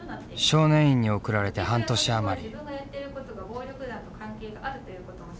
少年院に送られて半年余り。